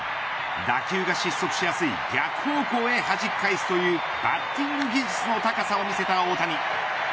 打球が失速しやすい逆方向にはじき返すというバッティング技術の高さを見せた大谷。